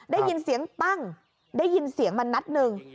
ได้ยินเสียงปั้งได้ยินเสียงมานัดหนึ่ง